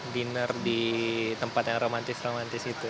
dinner di tempat yang romantis romantis itu